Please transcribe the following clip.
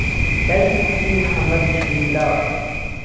دایکیکوتی محهممهدم شیرنلاوه